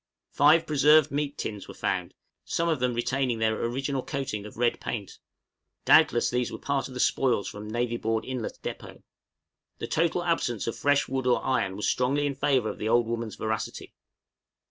Five preserved meat tins were found; some of them retaining their original coating of red paint. Doubtless these were part of the spoils from Navy Board Inlet depôt. The total absence of fresh wood or iron was strongly in favor of the old woman's veracity.